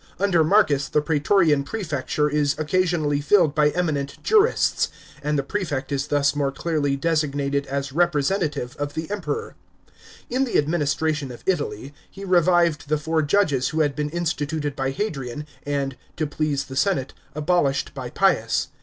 Under Marcus the praetorian prefecture is occasionally filled by eminent jurists, and the prefect is thus more clearly designated as representa tive of the Emperor. In the administration of Italy, he revived the four Judges who had been instituted by Hadrian, and, to please the senate, abolished by Pius.